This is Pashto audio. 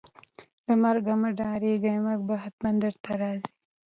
له مرګ مه ډاریږئ ، مرګ به ختمن درته راځي